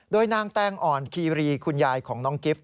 โดยนางแตงอ่อนคีรีคุณยายของน้องกิฟต